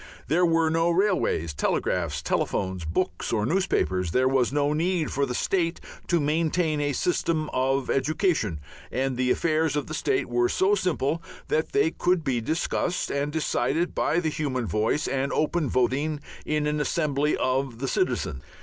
There were no railways, telegraphs, telephones, books or newspapers, there was no need for the state to maintain a system of education, and the affairs of the state were so simple that they could be discussed and decided by the human voice and open voting in an assembly of all the citizens.